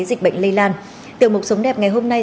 dịch bệnh lây lan tiểu mục sống đẹp ngày hôm nay